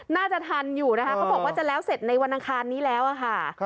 น่าจะทันอยู่นะคะเขาบอกว่าจะแล้วเสร็จในวันอังคารนี้แล้วค่ะ